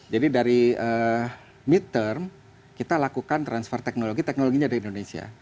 jadi dari mid term kita lakukan transfer teknologi teknologinya dari indonesia